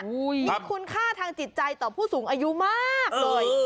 มีคุณค่าทางจิตใจต่อผู้สูงอายุมากเลย